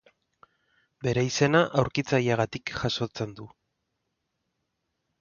Bere izena, aurkitzaileagatik jasotzen du.